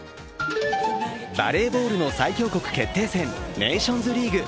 バレーボールの最強国決定戦ネーションズリーグ。